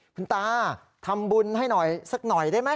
คุณตาทำบุญให้หน่อยสักหน่อยได้ไหม